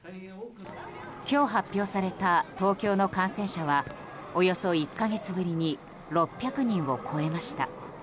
今日発表された東京の感染者はおよそ１か月ぶりに６００人を超えました。